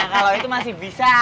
kalau itu masih bisa